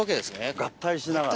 合体しながら。